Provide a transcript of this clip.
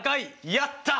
やった！